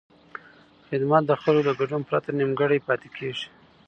خدمت د خلکو د ګډون پرته نیمګړی پاتې کېږي.